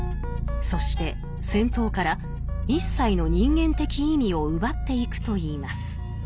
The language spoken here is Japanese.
そして戦闘から一切の人間的意味を奪っていくといいます。